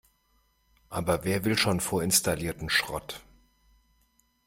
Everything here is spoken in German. Aber wer will schon vorinstallierten Schrott?